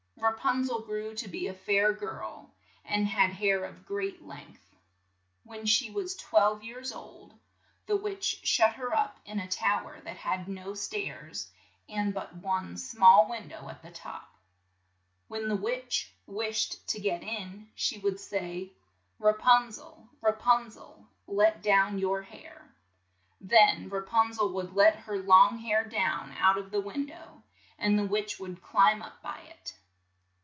Ra pun zel grew to be a fair girl, and had hair of great length. When she was twelve years old, the witch shut her up in a tow er that had no stairs, and but one small win dow at the top. When the witch wished to get in, she would say, "Ra pun zel, Ra pun zel! let down your hair." Then Ra pun zel would let her long hair down out of the win dow, and the witch would climb up by it.